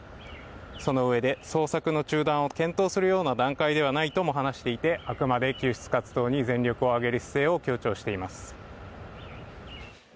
そのうえで、捜索の中断を検討するような段階ではないとも話していてあくまで救出活動に全力を挙げる姿勢を強調しています。